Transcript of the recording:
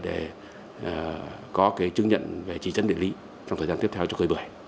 để có cái chứng nhận về chỉ dẫn địa lý trong thời gian tiếp theo cho cây bưởi